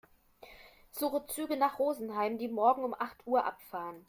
Suche Züge nach Rosenheim, die morgen um acht Uhr abfahren.